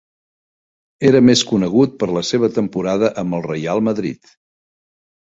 Era més conegut per la seva temporada amb el Reial Madrid.